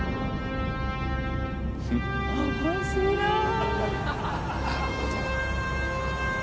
面白い。